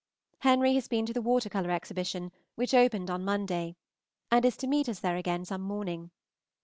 Henry has been to the Water Color Exhibition, which opened on Monday, and is to meet us there again some morning.